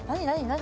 何？